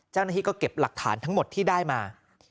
เจ้าหน้าที่ก็เก็บหลักฐานทั้งหมดที่ได้มา